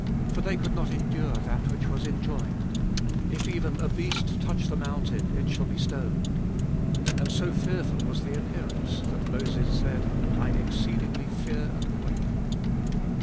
For they could not endure that which was enjoined, If even a beast touch the mountain, It shall be stoned; 21. And so fearful was the appearance, that Moses said, I exceedingly fear and quake.